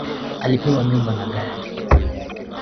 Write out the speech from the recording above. Alipewa nyumba na gari